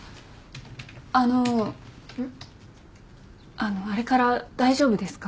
あのあれから大丈夫ですか？